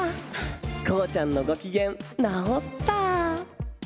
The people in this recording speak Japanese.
こうちゃんのご機嫌、直った。